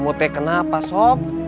kamu teh kenapa sob